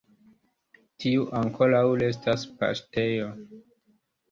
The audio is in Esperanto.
Tiu ankoraŭ restas paŝtejo.